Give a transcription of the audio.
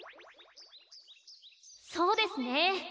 そうですね。